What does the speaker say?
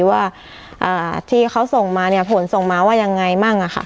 ว่าที่เขาส่งมาผลส่งมาว่าอย่างไรมั่ง